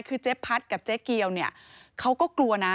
คือเจ๊พัดกับเจ๊เกียวเนี่ยเขาก็กลัวนะ